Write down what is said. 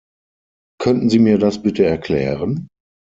Könnten Sie mir das bitte erklären?